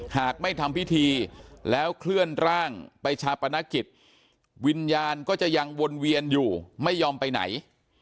หากไม่ทำพิธีแล้วเคลื่อนร่างไปชาปนกิจวิญญาณก็จะยังวนเวียนอยู่ไม่ยอมไปไหน